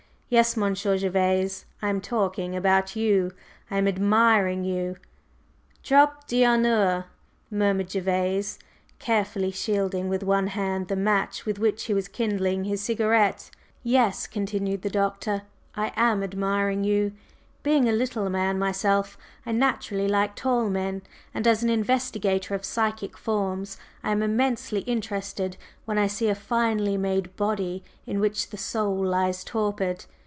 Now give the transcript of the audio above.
Yes, Monsieur Gervase, I am talking about you. I am admiring you!" "Trop d'honneur!" murmured Gervase, carefully shielding with one hand the match with which he was kindling his cigarette. "Yes," continued the Doctor, "I am admiring you. Being a little man myself, I naturally like tall men, and as an investigator of psychic forms I am immensely interested when I see a finely made body in which the soul lies torpid.